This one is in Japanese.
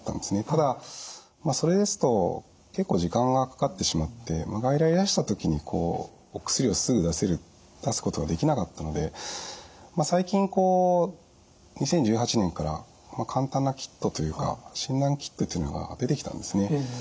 ただそれですと結構時間がかかってしまって外来いらした時にお薬をすぐ出すことができなかったので最近こう２０１８年から簡単なキットというか診断キットというのが出てきたんですね。